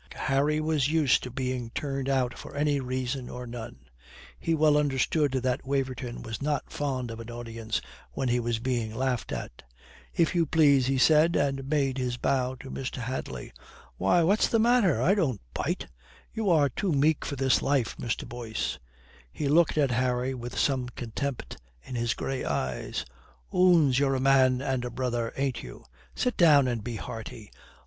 Harry was used to being turned out for any reason or none. He well understood that Waverton was not fond of an audience when he was being laughed at. "If you please," he said, and made his bow to Mr. Hadley. "Why, what's the matter? I don't bite. You are too meek for this life, Mr. Boyce." He looked at Harry with some contempt in his grey eyes. "Oons, you're a man and a brother, ain't you? Sit down and be hearty.